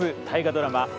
大河ドラマ